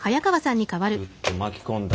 グッと巻き込んだ。